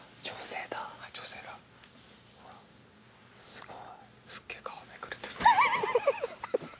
すごい。